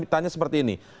saya ingin tanya seperti ini